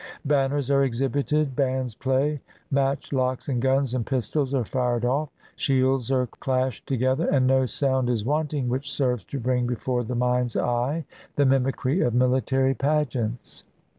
Banners are exhibited, bands play, matchlocks and guns and pistols are fired off, shields are clashed together, and no sound is wanting which serves to bring before the mind's eye the mimicry of military pageants.